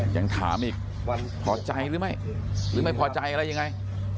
ยังถามอีกพอใจหรือไม่หรือไม่พอใจอะไรยังไง